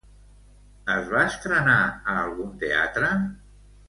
Es va estrenar a algun teatre?